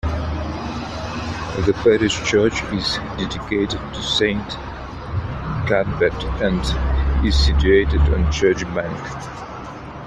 The Parish Church is dedicated to Saint Cuthbert and is situated on Church Bank.